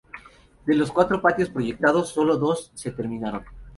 De los cuatro patios proyectados, solo dos se terminaron.